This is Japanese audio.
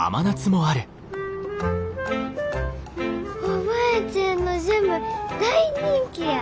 おばあちゃんのジャム大人気や。